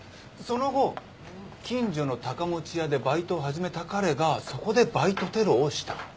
その後近所の高持屋でバイトを始めた彼がそこでバイトテロをした。